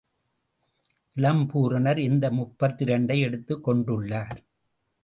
இளம்பூரணர் இந்த முப்பத்திரண்டை எடுத்துக் கொண்டுள்ளார்.